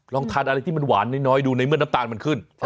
ลองทานอะไรที่มันหวานน้อยดูในเมื่อน้ำตาลมันขึ้น